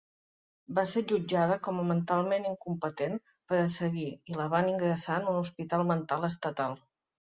Va ser jutjada com a "mentalment incompetent per a seguir" i la van ingressar a un hospital mental estatal.